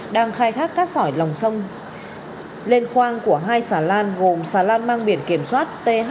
đang khai thác cát sỏi lòng sông lên khoang của hai xà lan gồm xà lan mang biển kiểm soát th sáu trăm ba mươi tám